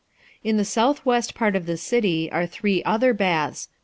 In the south west part of the city are three other baths, viz.